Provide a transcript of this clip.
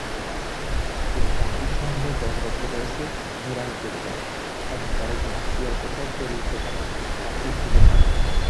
তিনি চাকরির সন্ধানে দশ বছর বয়সে মিলানে চলে যান এবং তার একজন আত্মীয়ের পোশাক তৈরির দোকানে চাকরি খুঁজে পান।